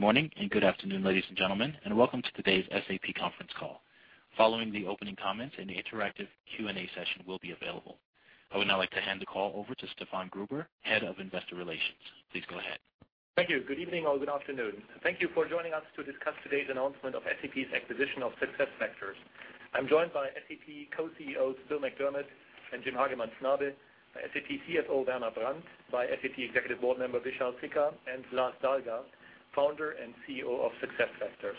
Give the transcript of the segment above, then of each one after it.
Good morning and good afternoon, ladies and gentlemen, and welcome to today's SAP Conference Call. Following the opening comments, the interactive Q&A session will be available. I would now like to hand the call over to Stefan Gruber, Head of Investor Relations. Please go ahead. Thank you. Good evening or good afternoon. Thank you for joining us to discuss today's announcement of SAP's acquisition of SuccessFactors. I'm joined by SAP Co-CEOs Bill McDermott and Jim Hagemann Snabe, SAP CFO Werner Brandt, by SAP Executive Board Member Vishal Sikka, and Lars Dalgaard, Founder and CEO of SuccessFactors.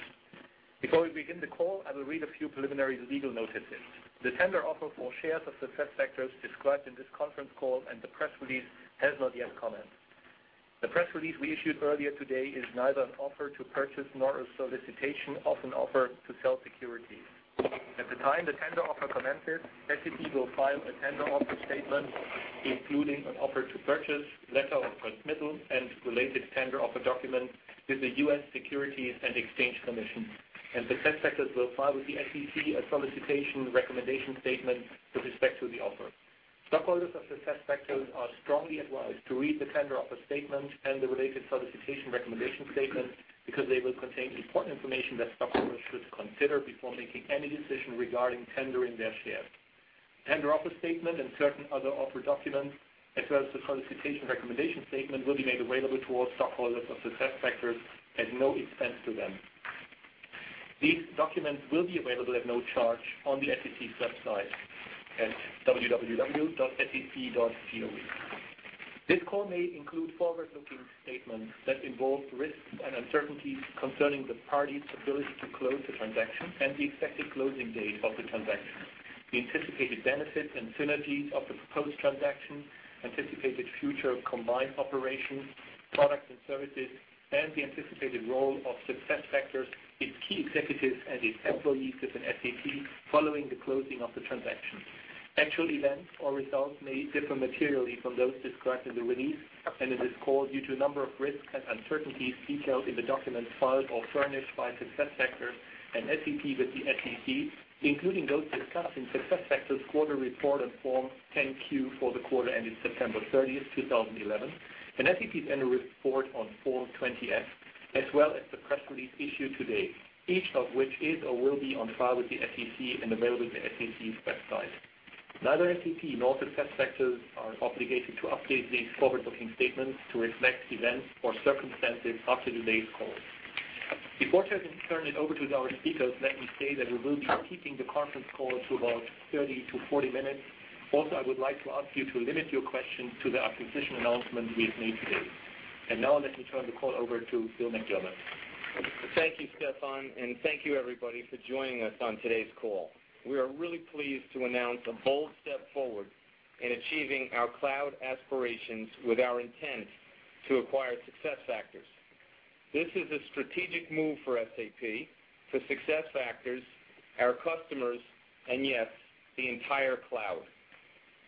Before we begin the call, I will read a few preliminary legal notices. The tender offer for shares of SuccessFactors described in this conference call and the press release has not yet commenced. The press release we issued earlier today is neither an offer to purchase nor a solicitation of an offer to sell securities. At the time the tender offer commences, SAP will file a tender offer statement, including an offer to purchase, letter of transmittal, and related tender offer documents with the U.S. Securities and Exchange Commission. SuccessFactors will file with the SEC a solicitation recommendation statement with respect to the offer. Stockholders of SuccessFactors are strongly advised to read the tender offer statements and the related solicitation recommendation statement because they will contain important information that stockholders should consider before making any decision regarding tendering their shares. Tender offer statements and certain other offer documents, as well as the solicitation recommendation statement, will be made available to all stockholders of SuccessFactors at no expense to them. These documents will be available at no charge on the SEC's website, at www.sec.gov. This call may include forward-looking statements that involve risks and uncertainties concerning the parties' ability to close the transaction and the expected closing date of the transaction, the anticipated benefits and synergies of the proposed transaction, anticipated future combined operations, products and services, and the anticipated role of SuccessFactors with key executives and its employees within SAP following the closing of the transaction. Actual events or results may differ materially from those described in the release and in this call due to a number of risks and uncertainties detailed in the documents filed or furnished by SuccessFactors and SAP with the SEC, including those discussed in SuccessFactors' quarterly report on Form 10-Q for the quarter ended September 30th, 2011, and SAP's annual report on Form 20-F, as well as the press release issued today, each of which is or will be on file with the SEC and available at the SEC's website. Neither SAP nor SuccessFactors are obligated to update these forward-looking statements to reflect events or circumstances after today's call. Before turning it over to the other speakers, let me say that we will be keeping the conference call to about 30-40 minutes, although I would like to ask you to limit your questions to the acquisition announcement we've made today. Now let me turn the call over to Bill McDermott. Thank you, Stefan, and thank you, everybody, for joining us on today's call. We are really pleased to announce a bold step forward in achieving our cloud aspirations with our intent to acquire SuccessFactors. This is a strategic move for SAP, for SuccessFactors, our customers, and yes, the entire cloud.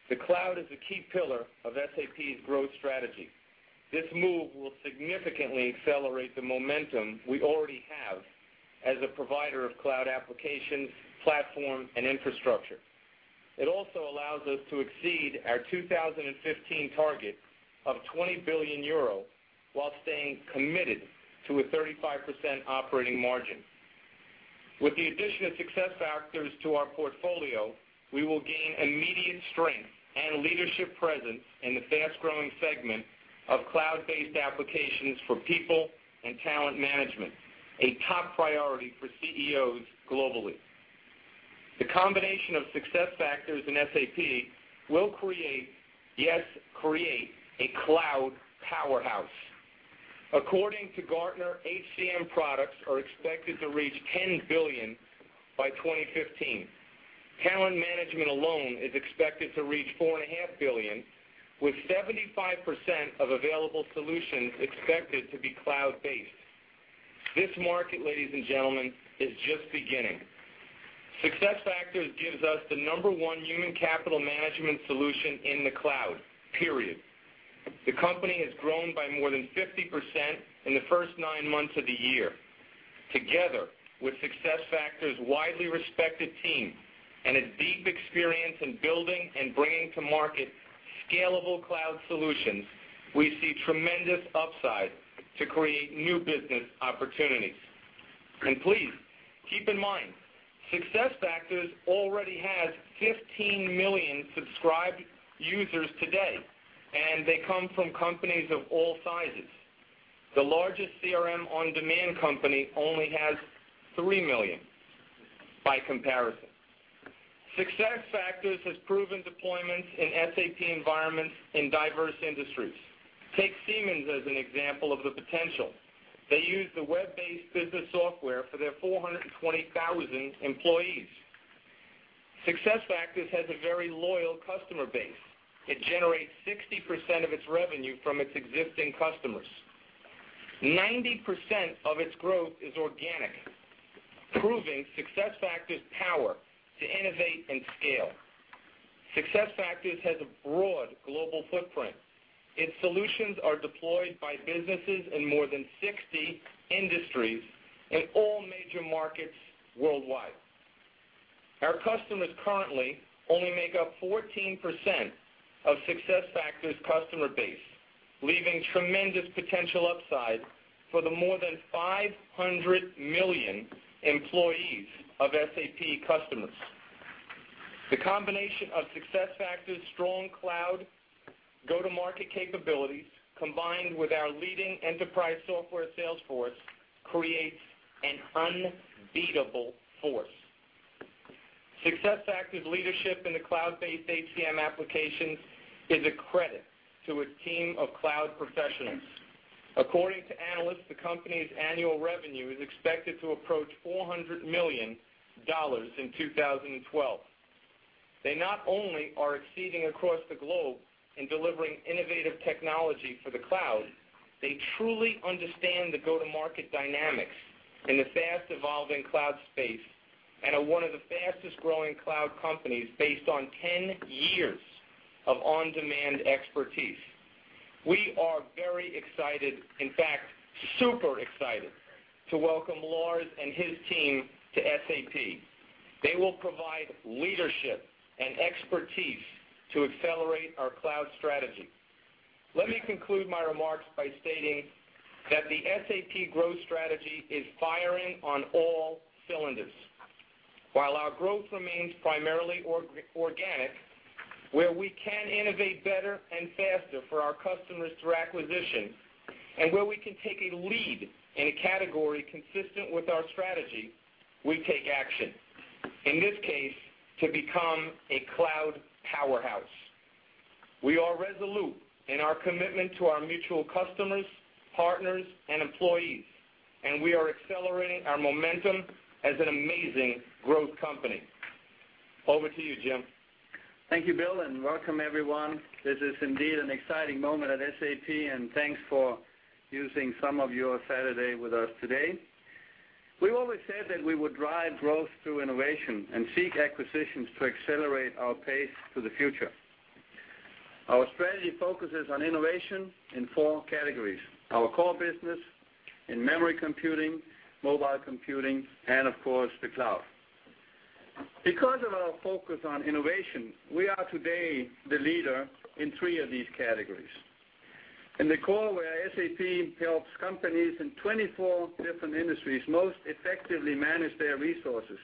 The cloud is a key pillar of SAP's growth strategy. This move will significantly accelerate the momentum we already have as a provider of cloud applications, platform, and infrastructure. It also allows us to exceed our 2015 target of €20 billion while staying committed to a 35% operating margin. With the addition of SuccessFactors to our portfolio, we will gain immediate strength and leadership presence in the fast-growing segment of cloud-based applications for people and talent management, a top priority for CEOs globally. The combination of SuccessFactors and SAP will create, yes, create a cloud powerhouse. According to Gartner, HCM products are expected to reach $10 billion by 2015. Talent management alone is expected to reach $4.5 billion, with 75% of available solutions expected to be cloud-based. This market, ladies and gentlemen, is just beginning. SuccessFactors gives us the number one human capital management solution in the cloud, period. The company has grown by more than 50% in the first nine months of the year. Together with SuccessFactors' widely respected team and its deep experience in building and bringing to market scalable cloud solutions, we see tremendous upside to create new business opportunities. Please keep in mind, SuccessFactors already has 15 million subscribed users today, and they come from companies of all sizes. The largest CRM on-demand company only has 3 million by comparison. SuccessFactors has proven deployments in SAP environments in diverse industries. Take Siemens as an example of the potential. They use the web-based business software for their 420,000 employees. SuccessFactors has a very loyal customer base. It generates 60% of its revenue from its existing customers. 90% of its growth is organic, proving SuccessFactors' power to innovate and scale. SuccessFactors has a broad global footprint. Its solutions are deployed by businesses in more than 60 industries in all major markets worldwide. Our customers currently only make up 14% of SuccessFactors' customer base, leaving tremendous potential upside for the more than 500 million employees of SAP customers. The combination of SuccessFactors' strong cloud go-to-market capabilities, combined with our leading enterprise software sales force, creates an unbeatable force. SuccessFactors' leadership in the cloud-based HCM applications is a credit to a team of cloud professionals. According to analysts, the company's annual revenue is expected to approach $400 million in 2012. They not only are exceeding across the globe in delivering innovative technology for the cloud, they truly understand the go-to-market dynamics in the fast-evolving cloud space and are one of the fastest-growing cloud companies based on 10 years of on-demand expertise. We are very excited, in fact, super excited, to welcome Lars and his team to SAP. They will provide leadership and expertise to accelerate our cloud strategy. Let me conclude my remarks by stating that the SAP growth strategy is firing on all cylinders. While our growth remains primarily organic, where we can innovate better and faster for our customers through acquisitions, and where we can take a lead in a category consistent with our strategy, we take action, in this case, to become a cloud powerhouse. We are resolute in our commitment to our mutual customers, partners, and employees, and we are accelerating our momentum as an amazing growth company. Over to you, Jim. Thank you, Bill, and welcome, everyone. This is indeed an exciting moment at SAP, and thanks for using some of your Saturday with us today. We've always said that we would drive growth through innovation and seek acquisitions to accelerate our pace to the future. Our strategy focuses on innovation in four categories: our core business, in-memory computing, mobile computing, and, of course, the cloud. Because of our focus on innovation, we are today the leader in three of these categories. In the core, where SAP helps companies in 24 different industries most effectively manage their resources,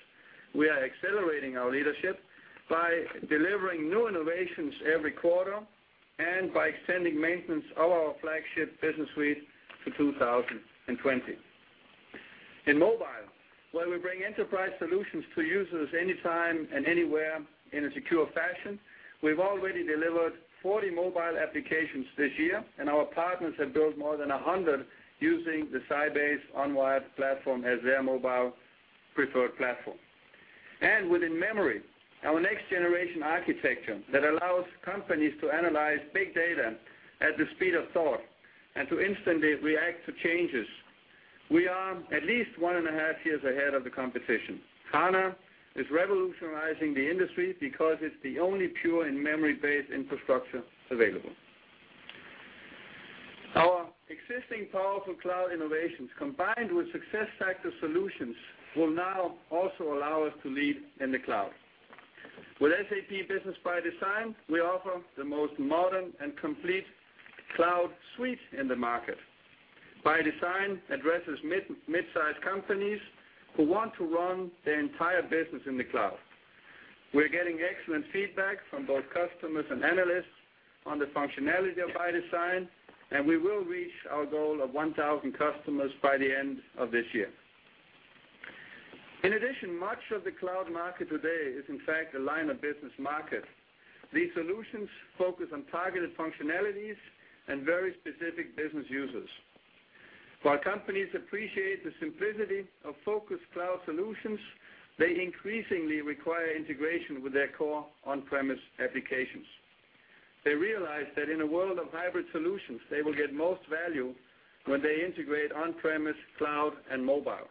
we are accelerating our leadership by delivering new innovations every quarter and by extending maintenance of our flagship business suite to 2020. In mobile, where we bring enterprise solutions to users anytime and anywhere in a secure fashion, we've already delivered 40 mobile applications this year, and our partners have built more than 100 using the Sybase Unwired Platform as their mobile preferred platform. Within in-memory, our next-generation architecture allows companies to analyze big data at the speed of thought and to instantly react to changes. We are at least one and a half years ahead of the competition. HANA is revolutionizing the industry because it's the only pure in-memory-based infrastructure available. Our existing powerful cloud innovations, combined with SuccessFactors' solutions, will now also allow us to lead in the cloud. With SAP Business ByDesign, we offer the most modern and complete cloud suite in the market. ByDesign addresses mid-sized companies who want to run their entire business in the cloud. We're getting excellent feedback from both customers and analysts on the functionality of ByDesign, and we will reach our goal of 1,000 customers by the end of this year. In addition, much of the cloud market today is, in fact, a line of business market. These solutions focus on targeted functionalities and very specific business users. While companies appreciate the simplicity of focused cloud solutions, they increasingly require integration with their core on-premise applications. They realize that in a world of hybrid solutions, they will get most value when they integrate on-premise, cloud, and mobile.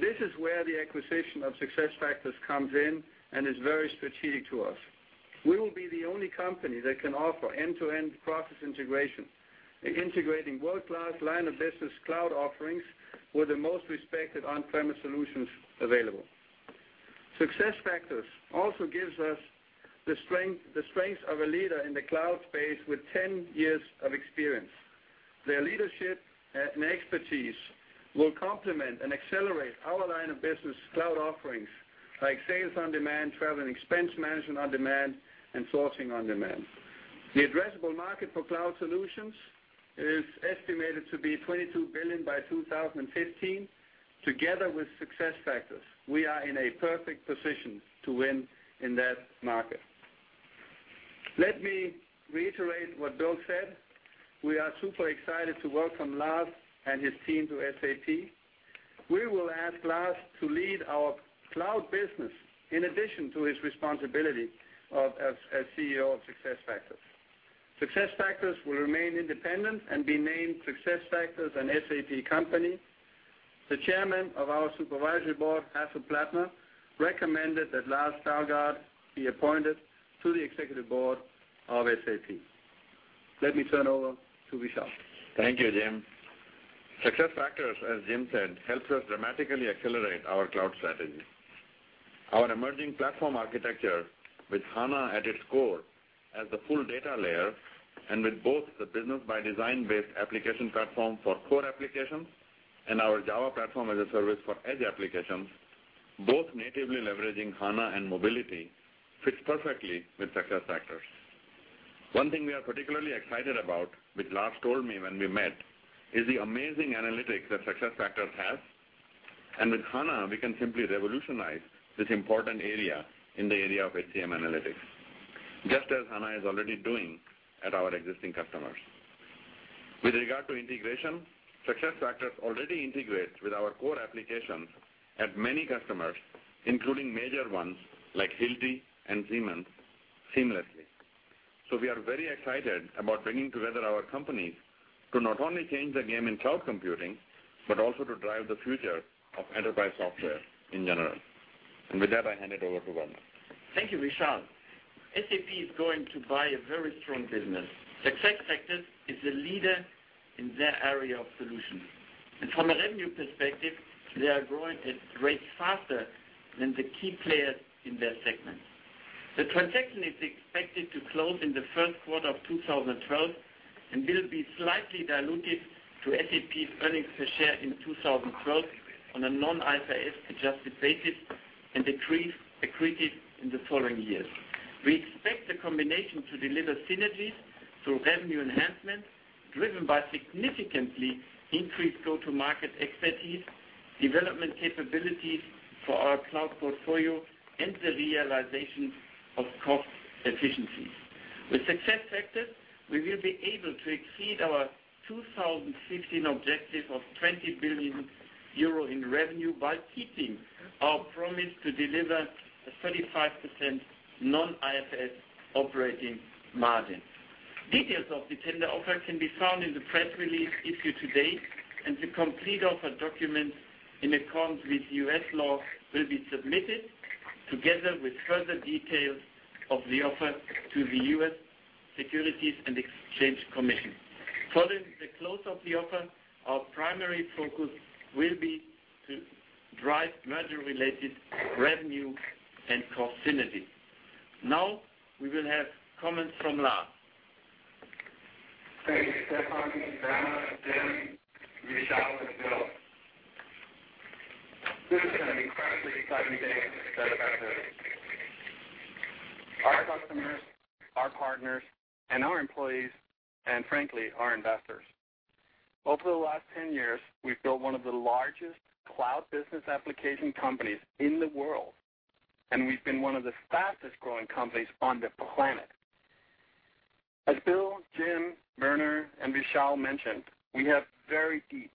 This is where the acquisition of SuccessFactors comes in and is very strategic to us. We will be the only company that can offer end-to-end process integration, integrating world-class line of business cloud offerings with the most respected on-premise solutions available. SuccessFactors also gives us the strength of a leader in the cloud space with 10 years of experience. Their leadership and expertise will complement and accelerate our line of business cloud offerings like sales on demand, travel and expense management on demand, and sourcing on demand. The addressable market for cloud solutions is estimated to be $22 billion by 2015. Together with SuccessFactors, we are in a perfect position to win in that market. Let me reiterate what Bill said. We are super excited to welcome Lars and his team to SAP. We will ask Lars to lead our cloud business in addition to his responsibility as CEO of SuccessFactors. SuccessFactors will remain independent and be named SuccessFactors, an SAP company. The Chairman of our Supervisory Board, Hasso Plattner, recommended that Lars Dalgaard be appointed to the Executive Board of SAP. Let me turn over to Vishal. Thank you, Jim. SuccessFactors, as Jim said, helps us dramatically accelerate our cloud strategy. Our emerging platform architecture, with HANA at its core as the full data layer and with both the Business ByDesign-based application platform for core applications and our Java platform as a service for edge applications, both natively leveraging HANA and mobility, fits perfectly with SuccessFactors. One thing we are particularly excited about, which Lars told me when we met, is the amazing analytics that SuccessFactors has. With HANA, we can simply revolutionize this important area in the area of HCM analytics, just as HANA is already doing at our existing customers. With regard to integration, SuccessFactors already integrates with our core applications at many customers, including major ones like Hilti and Siemens, seamlessly. We are very excited about bringing together our companies to not only change the game in cloud computing, but also to drive the future of enterprise software in general. With that, I hand it over to Werner. Thank you, Vishal. SAP is going to buy a very strong business. SuccessFactors is a leader in their area of solutions. From a revenue perspective, they are growing at rates faster than the key players in their segment. The transaction is expected to close in the first quarter of 2012 and will be slightly dilutive to SAP's earnings per share in 2012 on a non-IFRS adjusted basis and decrease accretive in the following years. We expect the combination to deliver synergies through revenue enhancement, driven by significantly increased go-to-market expertise, development capabilities for our cloud portfolio, and the realization of cost efficiencies. With SuccessFactors, we will be able to exceed our 2015 objective of €20 billion in revenue by keeping our promise to deliver a 35% non-IFRS operating margin. Details of the tender offer can be found in the press release issued today, and the complete offer document in accordance with U.S. law will be submitted together with further details of the offer to the U.S. Securities and Exchange Commission. Following the close of the offer, our primary focus will be to drive merger-related revenue and cost synergy. Now, we will have comments from Lars. This is such an exciting day that I've had. Our customers, our partners, and our employees, and frankly, our investors. Over the last 10 years, we've built one of the largest cloud business application companies in the world, and we've been one of the fastest-growing companies on the planet. As Bill, Jim, Werner, and Vishal mentioned, we have very deep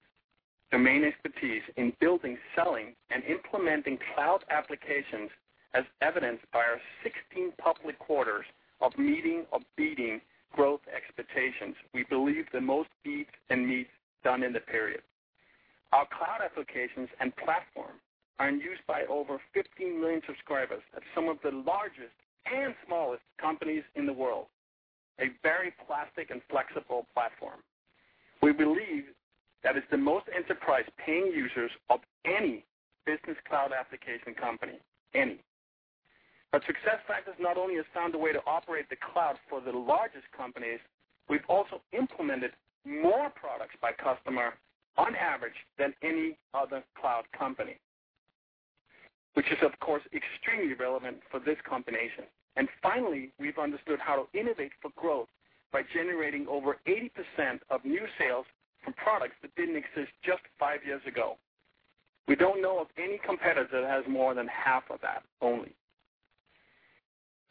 domain expertise in building, selling, and implementing cloud applications, as evidenced by our 16 public quarters of meeting or beating growth expectations. We believe the most beats and meets done in the period. Our cloud applications and platform are used by over 15 million subscribers at some of the largest and smallest companies in the world, a very plastic and flexible platform. We believe that it's the most enterprise-paying users of any business cloud application company, any. SuccessFactors not only has found a way to operate the cloud for the largest companies, we've also implemented more products by customer on average than any other cloud company, which is, of course, extremely relevant for this combination. Finally, we've understood how to innovate for growth by generating over 80% of new sales from products that didn't exist just five years ago. We don't know of any competitor that has more than half of that only.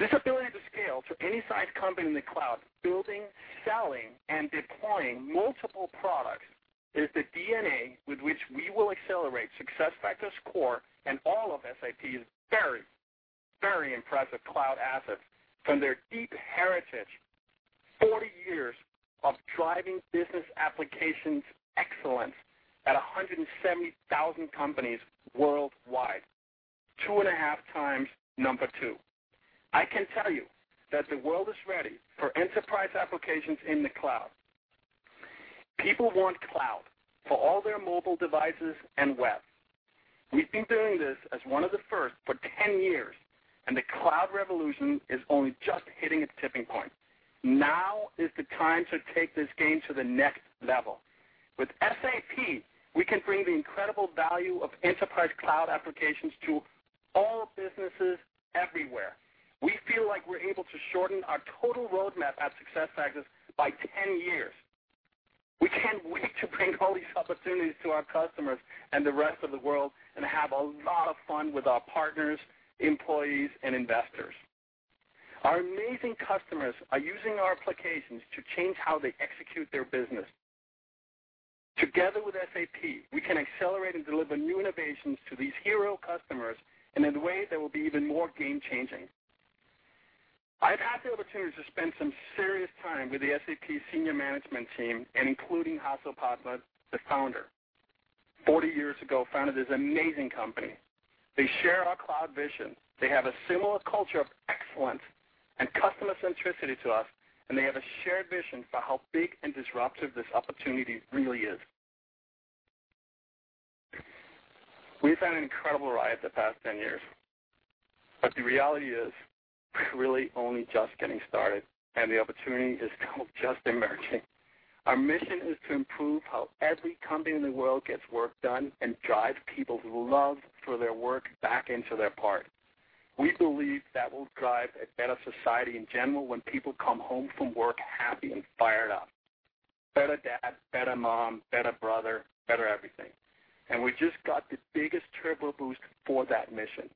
This ability to scale for any size company in the cloud, building, selling, and deploying multiple products is the DNA with which we will accelerate SuccessFactors' core and all of SAP's very, very impressive cloud assets from their deep heritage, 40 years of driving business applications excellence at 170,000 companies worldwide, 2.5x number two. I can tell you that the world is ready for enterprise applications in the cloud. People want cloud for all their mobile devices and web. We've been doing this as one of the first for 10 years, and the cloud revolution is only just hitting its tipping point. Now is the time to take this game to the next level. With SAP, we can bring the incredible value of enterprise cloud applications to all businesses everywhere. We feel like we're able to shorten our total roadmap at SuccessFactors by 10 years. We can't wait to bring all these opportunities to our customers and the rest of the world and have a lot of fun with our partners, employees, and investors. Our amazing customers are using our applications to change how they execute their business. Together with SAP, we can accelerate and deliver new innovations to these hero customers in a way that will be even more game-changing. I've had the opportunity to spend some serious time with the SAP Senior Management Team, including Hasso Plattner, the founder. Forty years ago, founded this amazing company. They share our cloud vision. They have a similar culture of excellence and customer centricity to us, and they have a shared vision for how big and disruptive this opportunity really is. We've had an incredible ride the past 10 years, but the reality is we're really only just getting started, and the opportunity is just emerging. Our mission is to improve how every company in the world gets work done and drives people's love for their work back into their part. We believe that will drive a better society in general when people come home from work happy and fired up. Better dad, better mom, better brother, better everything. We just got the biggest turbo boost for that mission.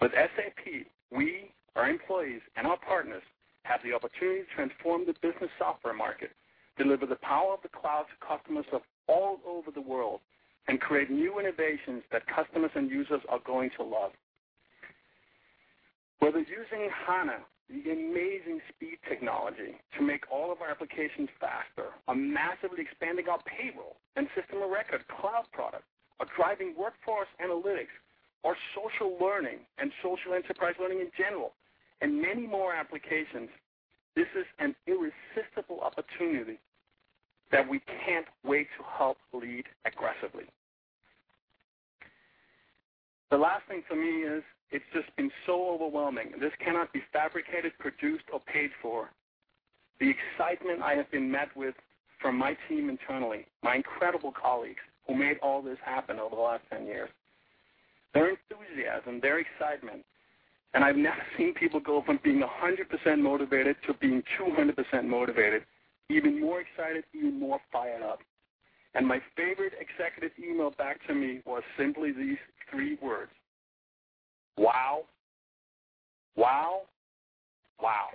With SAP, we, our employees, and our partners have the opportunity to transform the business software market, deliver the power of the cloud to customers all over the world, and create new innovations that customers and users are going to love. Whether using HANA, the amazing speed technology to make all of our applications faster, or massively expanding our payroll and system of record cloud products, or driving workforce analytics, or social learning and social enterprise learning in general, and many more applications, this is an irresistible opportunity that we can't wait to help lead aggressively. The last thing for me is it's just been so overwhelming. This cannot be fabricated, produced, or paid for. The excitement I have been met with from my team internally, my incredible colleagues who made all this happen over the last 10 years, their enthusiasm, their excitement, and I've never seen people go from being 100% motivated to being 200% motivated, even more excited, even more fired up. My favorite executive email back to me was simply these three words: wow, wow, wow.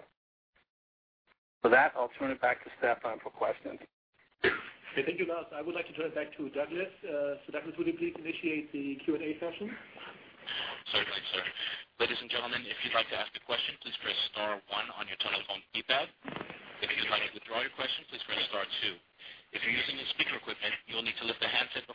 For that, I'll turn it back to Stefan for questions. Thank you, Lars. I would like to turn it back to Douglas. Douglas, would you please initiate the Q&A session? Certainly sir. Ladies and gentlemen, if you'd like to ask a question, please press star one on your telephone keypad. If you'd like to withdraw your question, please press star two. If you're using your speaker equipment, you'll need to lift the headset before making your selection. A moment, please, for our first question. Our first question comes from the line of Rick Sherlund with Nomura. Please go ahead. [Sandy Barrett].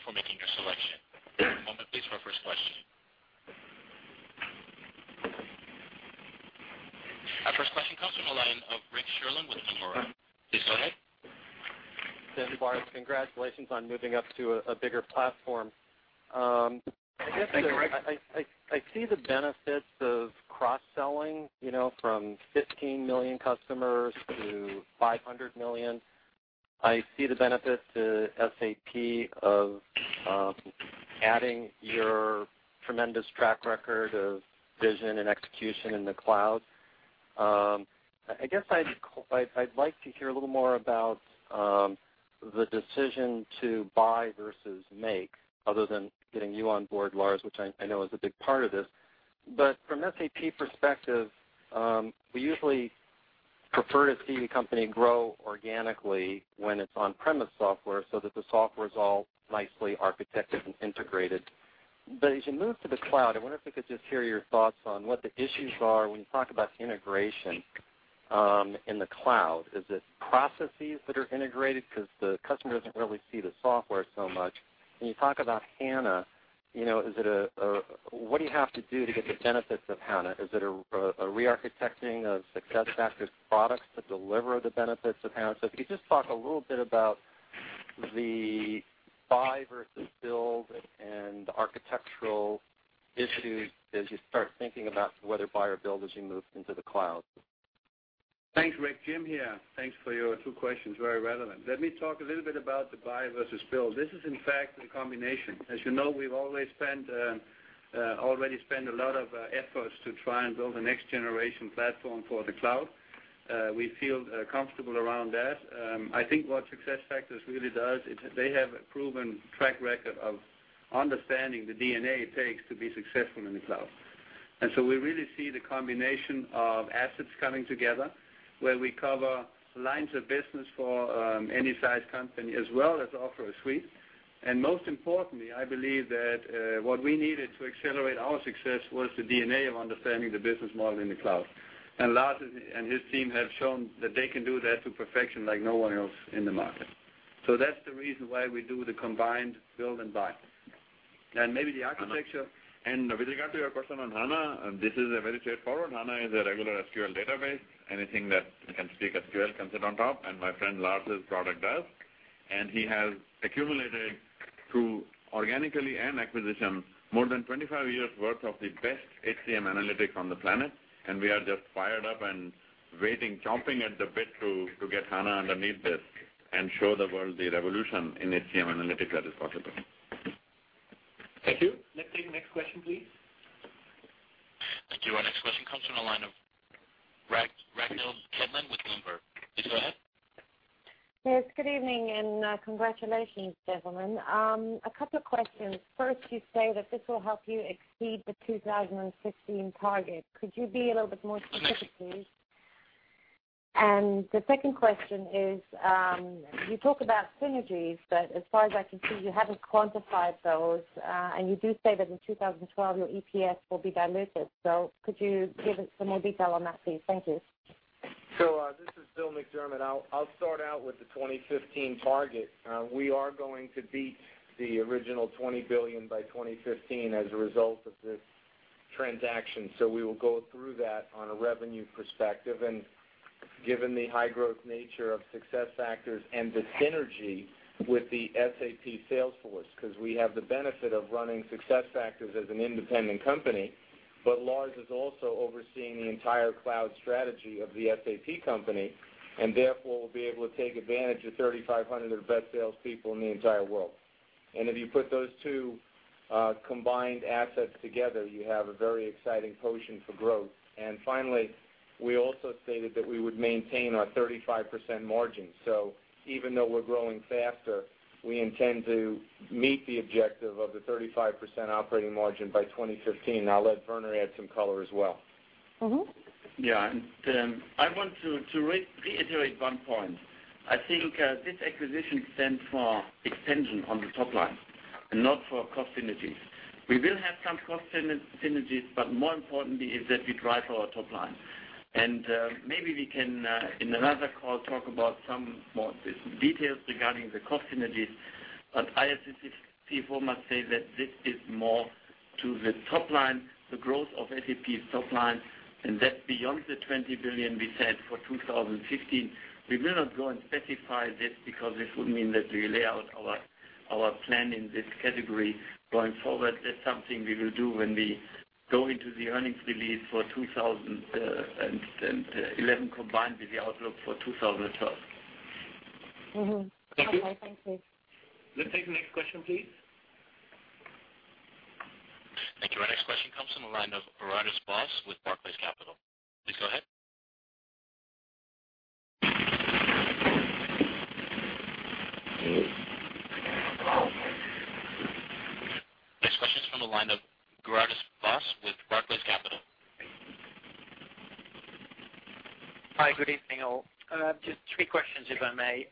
Congratulations on moving up to a bigger platform. I guess I see the benefits of cross-sell, you know, from 15 million customers to 500 million. I see the benefit to SAP of adding your tremendous track record of vision and execution in the cloud. I guess I'd like to hear a little more about the decision to buy versus make, other than getting you on board, Lars, which I know is a big part of this. From an SAP perspective, we usually prefer to see a company grow organically when it's on-premise solution so that the software is all nicely architected and integrated. As you move to the cloud, I wonder if I could just hear your thoughts on what the issues are when you talk about integration in the cloud. Is it processes that are integrated because the customer doesn't really see the software so much? When you talk about HANA, you know, is it a what do you have to do to get the benefits of HANA? Is it a re-architecting of SuccessFactors' products to deliver the benefits of HANA? If you could just talk a little bit about the buy versus build and architectural issues as you start thinking about whether buy or build as you move into the cloud. Thanks, Rick. Jim here. Thanks for your two questions. Very relevant. Let me talk a little bit about the buy versus build. This is, in fact, a combination. As you know, we've already spent a lot of efforts to try and build a next-generation platform for the cloud. We feel comfortable around that. I think what SuccessFactors really does, they have a proven track record of understanding the DNA it takes to be successful in the cloud. We really see the combination of assets coming together where we cover lines of business for any size company as well as offer a suite. Most importantly, I believe that what we needed to accelerate our success was the DNA of understanding the business model in the cloud. Lars and his team have shown that they can do that to perfection like no one else in the market. That's the reason why we do the combined build and buy and maybe the architecture. With regard to your question on HANA, this is very straightforward. HANA is a regular SQL database. Anything that can speak SQL comes in on top, and my friend Lars's product does. He has accumulated through organically and acquisition more than 25 years' worth of the best HCM analytics on the planet. We are just fired up and waiting, chomping at the bit to get HANA underneath this and show the world the revolution in HCM analytics that is possible. Thank you. Let's take the next question, please. Thank you. Our next question comes from the line of Ravenel Kidman with Bloomberg. Please go ahead. Yes. Good evening and congratulations, gentlemen. A couple of questions. First, you say that this will help you exceed the 2015 target. Could you be a little bit more specific? The second question is, you talk about synergies, but as far as I can see, you haven't quantified those. You do say that in 2012, your EPS will be dilutive. Could you give us some more detail on that, please? Thank you. This is Bill McDermott. I'll start out with the 2015 target. We are going to beat the original $20 billion by 2015 as a result of the transaction. We will go through that on a revenue perspective. Given the high-growth nature of SuccessFactors and the synergy with the SAP sales force, because we have the benefit of running SuccessFactors as an independent company, Lars is also overseeing the entire cloud strategy of the SAP company and therefore will be able to take advantage of 3,500 of the best salespeople in the entire world. If you put those two combined assets together, you have a very exciting potion for growth. Finally, we also stated that we would maintain our 35% margin. Even though we're growing faster, we intend to meet the objective of the 35% operating margin by 2015. Now, I'll let Werner add some color as well. Yeah. I want to reiterate one point. I think this acquisition stands for extension on the top line and not for cost synergies. We will have some cost synergies, but more importantly is that we drive our top line. Maybe we can in another call talk about some more details regarding the cost synergies, but ISSC format says that this is more to the top line, the growth of SAP's top line, and that beyond the $20 billion we said for 2015, we will not go and specify this because this would mean that we lay out our plan in this category going forward. That's something we will do when we go into the earnings release for 2011 combined with the outlook for 2012. All right. Thank you. Let's take the next question, please. Thank you. Our next question comes from the line of [Gurjit Bassi] with Barclays Capital. Please go ahead. Next question is from the line of [Gurjit Singh Bassi] with Barclays Capital. Hi. Good evening all. Just three questions, if I may.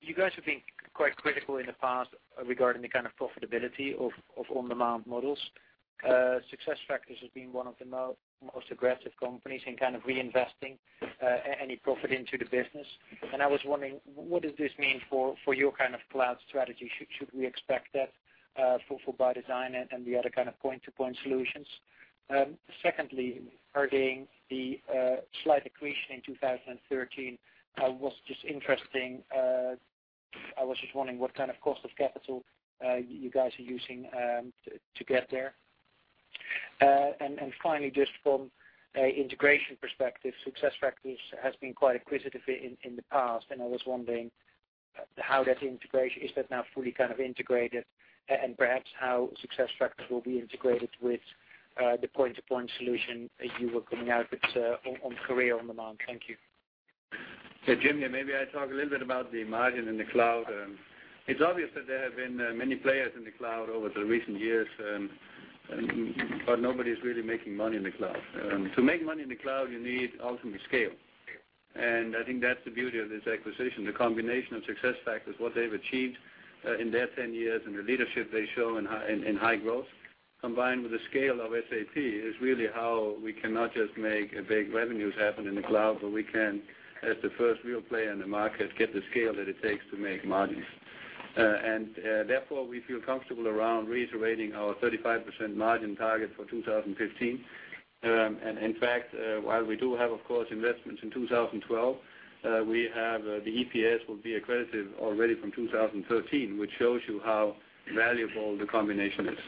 You guys have been quite critical in the past regarding the kind of profitability of on-demand models. SuccessFactors has been one of the most aggressive companies in kind of reinvesting any profit into the business. I was wondering, what does this mean for your kind of cloud strategy? Should we expect that for ByDesign and the other kind of point-to-point solutions? Secondly, the slight accretion in 2013 was just interesting. I was just wondering what kind of cost of capital you guys are using to get there. Finally, just from an integration perspective, SuccessFactors has been quite inquisitive in the past, and I was wondering how that integration is, is that now fully kind of integrated and perhaps how SuccessFactors will be integrated with the point-to-point solution as you were coming out with on career on-demand. Thank you. Jim here. Maybe I talk a little bit about the margin in the cloud. It's obvious that there have been many players in the cloud over the recent years, but nobody is really making money in the cloud. To make money in the cloud, you need ultimately scale. I think that's the beauty of this acquisition, the combination of SuccessFactors, what they've achieved in their 10 years, and the leadership they show in high growth, combined with the scale of SAP, is really how we cannot just make big revenues happen in the cloud, but we can, as the first real player in the market, get the scale that it takes to make margins. Therefore, we feel comfortable around reiterating our 35% margin target for 2015. In fact, while we do have, of course, investments in 2012, the EPS will be accreditive already from 2013, which shows you how valuable the combination is.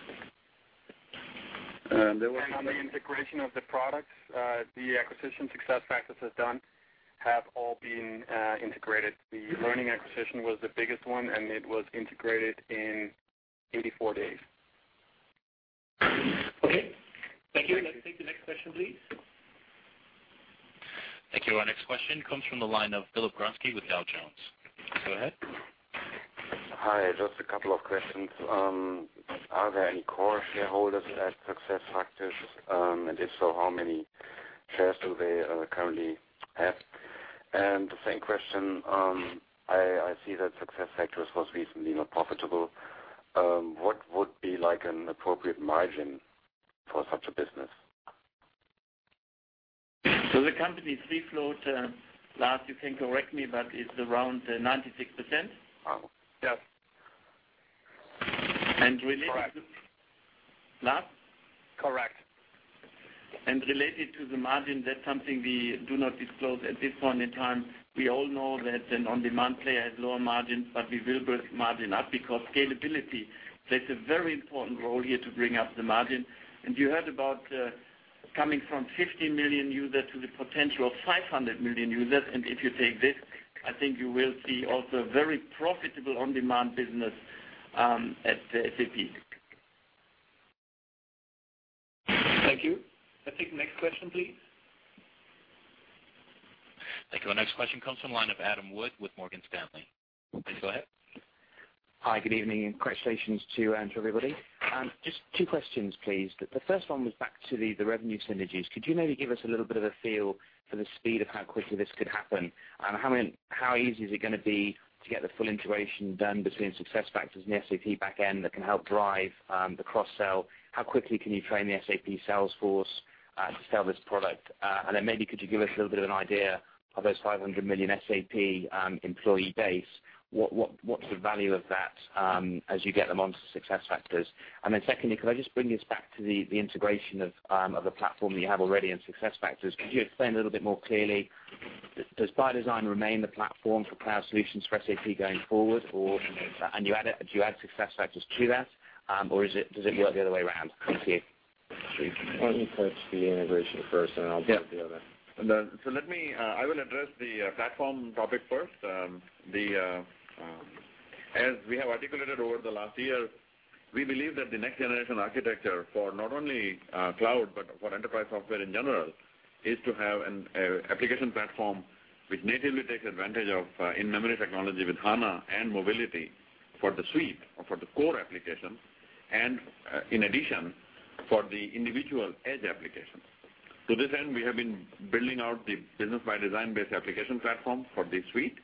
There was another integration of the product. The acquisition SuccessFactors has done have all been integrated. The learning acquisition was the biggest one, and it was integrated in 84 days. Thank you. Let's take the next question, please. Thank you. Our next question comes from the line of Philip Gronsky with Dow Jones. Go ahead. Hi. Just a couple of questions. Are there any core shareholders at SuccessFactors? If so, how many shares do they currently have? I see that SuccessFactors was recently not profitable. What would be like an appropriate margin for such a business? The company's free float, Lars, you can correct me, but is around 96%. Yeah. Lars? Correct. Related to the margin, that's something we do not disclose at this point in time. We all know that an on-demand player has lower margins, but we will build margin up because scalability plays a very important role here to bring up the margin. You heard about coming from 50 million users to the potential of 500 million users. If you take this, I think you will see also a very profitable on-demand business at SAP. Thank you. Let's take the next question, please. Thank you. Our next question comes from the line of Adam Wood with Morgan Stanley. Please go ahead. Hi. Good evening and congratulations to you and to everybody. Just two questions, please. The first one was back to the revenue synergies. Could you maybe give us a little bit of a feel for the speed of how quickly this could happen? How easy is it going to be to get the full integration done between SuccessFactors and the SAP backend that can help drive the cross-sell? How quickly can you train the SAP sales force to sell this product? Maybe could you give us a little bit of an idea of those 500 million SAP employee base? What's the value of that as you get them onto SuccessFactors? Secondly, could I just bring this back to the integration of the platform that you have already in SuccessFactors? Could you explain a little bit more clearly? Does ByDesign remain the platform for cloud solutions for SAP going forward? Do you add SuccessFactors to that, or does it work the other way around? Let me quote the integration first, and I'll go to the other. Let me address the platform topic first. As we have articulated over the last year, we believe that the next-generation architecture for not only cloud, but for enterprise software in general, is to have an application platform which natively takes advantage of in-memory technology with HANA and mobility for the suite or for the core application, and in addition, for the individual edge application. To this end, we have been building out the Business ByDesign-based application platform for the suite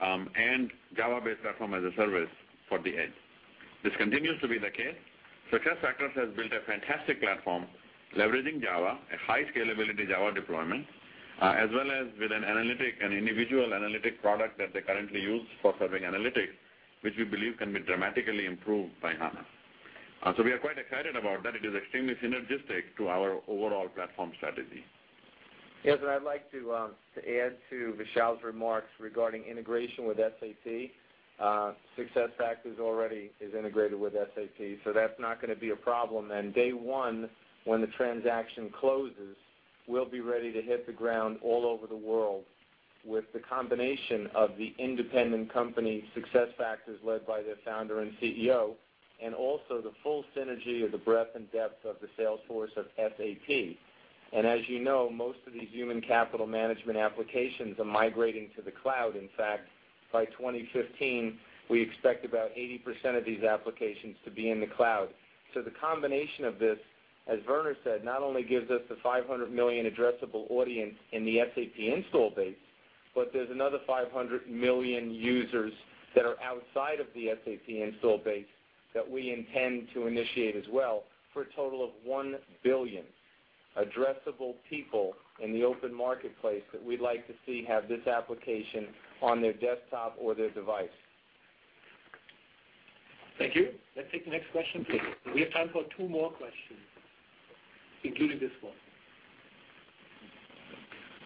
and Java-based platform as a service for the edge. This continues to be the case. SuccessFactors has built a fantastic platform leveraging Java, a high scalability Java deployment, as well as with an analytic and individual analytic product that they currently use for serving analytics, which we believe can be dramatically improved by HANA. We are quite excited about that. It is extremely synergistic to our overall platform strategy. Yes. I'd like to add to Vishal's remarks regarding integration with SAP. SuccessFactors already is integrated with SAP, so that's not going to be a problem. Day one, when the transaction closes, we'll be ready to hit the ground all over the world with the combination of the independent company, SuccessFactors, led by their founder and CEO, and also the full synergy of the breadth and depth of the sales force of SAP. As you know, most of these human capital management applications are migrating to the cloud. In fact, by 2015, we expect about 80% of these applications to be in the cloud. The combination of this, as Werner said, not only gives us the 500 million addressable audience in the SAP install base, but there's another 500 million users that are outside of the SAP install base that we intend to initiate as well, for a total of 1 billion addressable people in the open marketplace that we'd like to see have this application on their desktop or their device. Thank you. Let's take the next question, please. We have time for two more questions, including this one.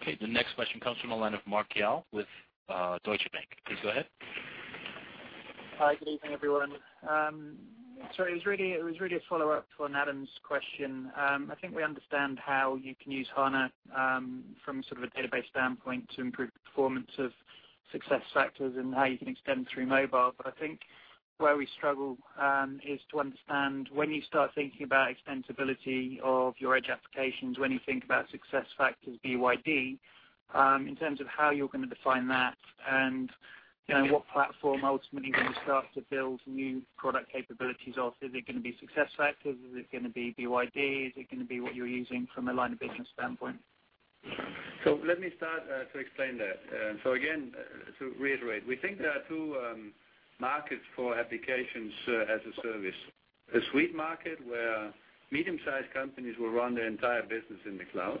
Okay. The next question comes from a line of [Mark L.] with Deutsche Bank. Please go ahead. Hi. Good evening, everyone. It was really a follow-up to Adam's question. I think we understand how you can use HANA from sort of a database standpoint to improve the performance of SuccessFactors and how you can extend through mobile. I think where we struggle is to understand when you start thinking about extensibility of your edge applications, when you think about SuccessFactors, ByD, in terms of how you're going to define that and what platform ultimately you're going to start to build new product capabilities off. Is it going to be SuccessFactors? Is it going to be ByD? Is it going to be what you're using from a line of business standpoint? Let me start to explain that. Again, to reiterate, we think there are two markets for applications as a service: a suite market where medium-sized companies will run their entire business in the cloud,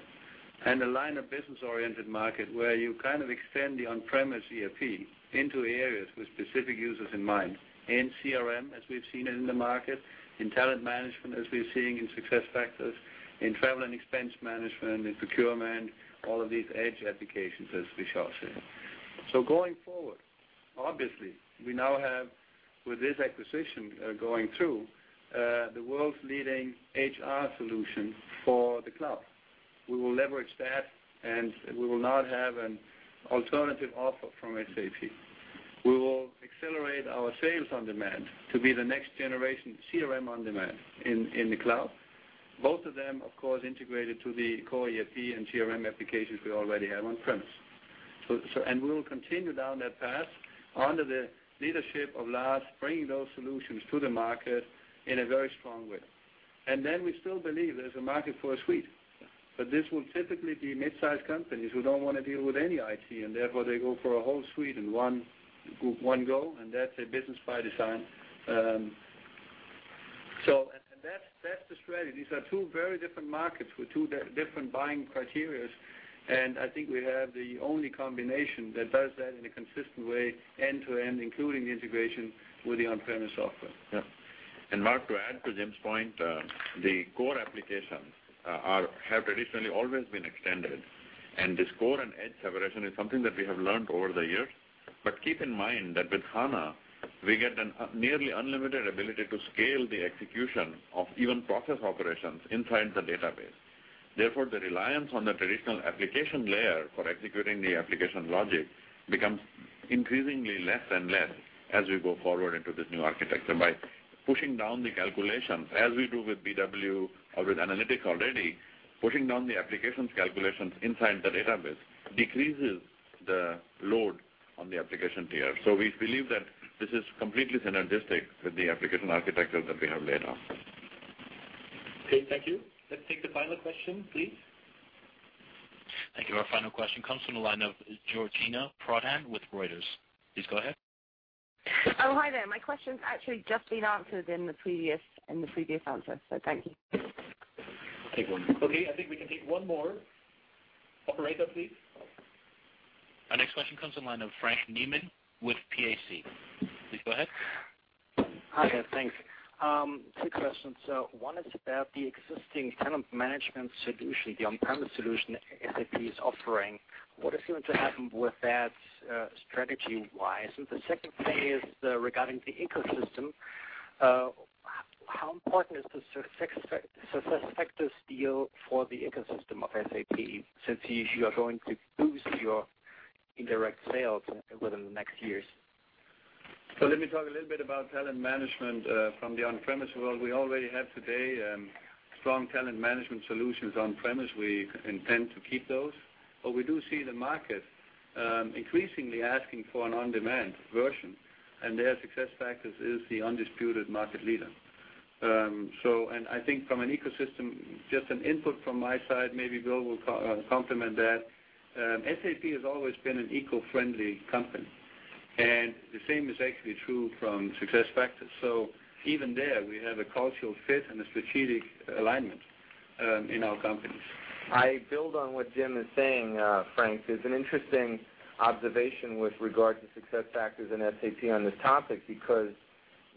and a line of business-oriented market where you kind of extend the on-premise ERP into areas with specific users in mind, in CRM, as we've seen it in the market, in talent management, as we're seeing in SuccessFactors, in travel and expense management, in procurement, all of these edge applications, as Vishal said. Going forward, obviously, we now have, with this acquisition going through, the world's leading HR solution for the cloud. We will leverage that, and we will now have an alternative offer from SAP. We will accelerate our sales on demand to be the next-generation CRM on demand in the cloud, both of them, of course, integrated to the core ERP and CRM applications we already have on-premise. We will continue down that path under the leadership of Lars, bringing those solutions to the market in a very strong way. We still believe there's a market for a suite. This will typically be mid-sized companies who don't want to deal with any IT, and therefore they go for a whole suite in one go, and that's a business by design. That's the strategy. These are two very different markets with two different buying criteria. I think we have the only combination that does that in a consistent way, end-to-end, including the integration with the on-premise software. Yeah. Mark, to add to Jim's point, the core applications have traditionally always been extended. This core and edge separation is something that we have learned over the years. Keep in mind that with HANA, we get a nearly unlimited ability to scale the execution of even process operations inside the database. Therefore, the reliance on the traditional application layer for executing the application logic becomes increasingly less and less as we go forward into this new architecture. By pushing down the calculation, as we do with BW or with analytics already, pushing down the application's calculations inside the database decreases the load on the application tier. We believe that this is completely synergistic with the application architecture that we have laid out. Great. Thank you. Let's take the final question, please. Thank you. Our final question comes from the line of Georgina Prodhan with Reuters. Please go ahead. Hi there. My question's actually just been answered in the previous answer, so thank you. Take one. Okay, I think we can take one more, operator, please. Our next question comes from the line of Frank Niemann with PAC. Please go ahead. Hi. Yeah, thanks. Quick question. One is about the existing talent management solution, the on-premise solution SAP is offering. What is going to happen with that strategy-wise? The second thing is regarding the ecosystem. How important is the SuccessFactors deal for the ecosystem of SAP since you are going to boost your indirect sales over the next years? Let me talk a little bit about talent management from the on-premise world. We already have today strong talent management solutions on-premise. We intend to keep those. We do see the market increasingly asking for an on-demand version, and there SuccessFactors is the undisputed market leader. I think from an ecosystem, just an input from my side, maybe Bill will complement that. SAP has always been an eco-friendly company, and the same is actually true for SuccessFactors. Even there, we have a cultural fit and a strategic alignment in our companies. I build on what Jim is saying, Frank. It's an interesting observation with regard to SuccessFactors and SAP on this topic because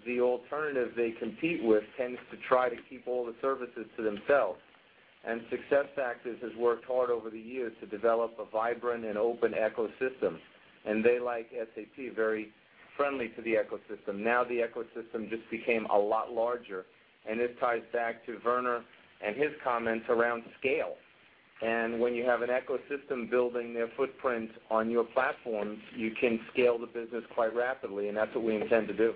the alternative they compete with tends to try to keep all the services to themselves. SuccessFactors has worked hard over the years to develop a vibrant and open ecosystem, and they, like SAP, are very friendly to the ecosystem. Now the ecosystem just became a lot larger. This ties back to Werner and his comments around scale. When you have an ecosystem building their footprint on your platforms, you can scale the business quite rapidly, and that's what we intend to do.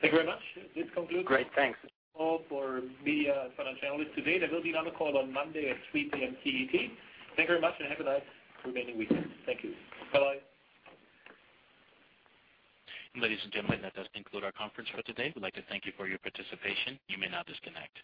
Thank you very much. This concludes the call for [media] and financial analysts today. There will be another call on Monday at 3:00 P.M. CET. Thank you very much, and have a nice remaining weekend. Thank you. Bye. Ladies and gentlemen, that does conclude our conference for today. We'd like to thank you for your participation. You may now disconnect.